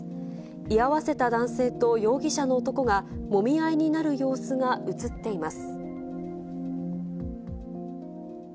居合わせた男性と容疑者の男が、もみ合いになる様子が写っています。